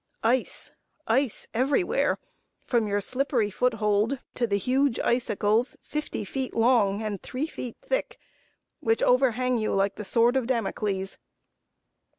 Ice ice everywhere, from your slippery foothold to the huge icicles, fifty feet long and three feet thick, which overhang you like the sword of Damocles.